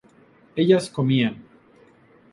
ellas comían